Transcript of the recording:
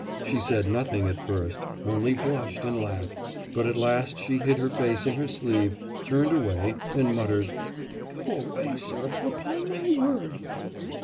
She said nothing at first, only blushed and laughed, but at last she hid her face in her sleeve, turned away, and muttered: 'Go away, sir; upon my word...